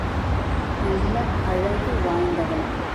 நல்ல அழகு வாய்ந்தவள்.